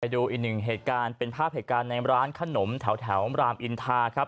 ดูอีกหนึ่งเหตุการณ์เป็นภาพเหตุการณ์ในร้านขนมแถวรามอินทาครับ